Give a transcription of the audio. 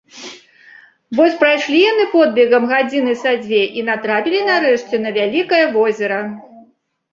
Вось прайшлі яны подбегам гадзіны са дзве і натрапілі нарэшце на вялікае возера